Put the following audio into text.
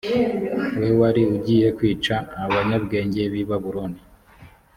we wari ugiye kwica abanyabwenge b i babuloni